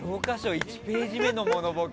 １ページ目のモノボケ。